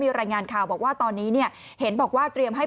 มีรายงานข่าวบอกว่าตอนนี้เนี่ยเห็นบอกว่าเตรียมให้